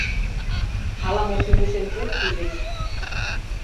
Ала-мо шӱмешем чот пижыч...